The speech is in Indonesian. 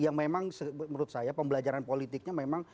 yang memang menurut saya pembelajaran politiknya memang